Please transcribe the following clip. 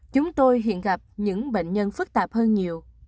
chúng tôi hiện gặp những bệnh nhân phức tạp hơn nhiều